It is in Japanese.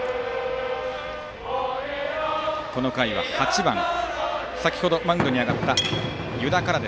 この回は８番先程マウンドに上がった湯田から。